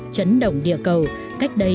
chấn động địa cầu